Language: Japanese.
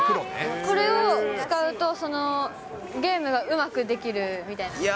これを使うと、ゲームがうまくできるみたいな？